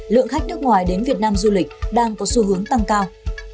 lượng khách nước ngoài đến việt nam du lịch đang có xu hướng tăng cao